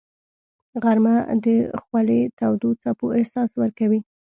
غرمه د خولې تودو څپو احساس ورکوي